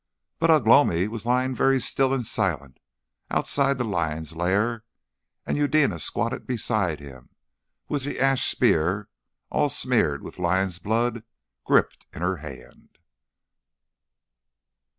But Ugh lomi was lying very still and silent, outside the lion's lair, and Eudena squatted beside him, with the ash spear, all smeared with lion's blood, gripped in her hand.